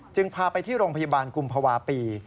พาไปที่โรงพยาบาลกุมภาวะปี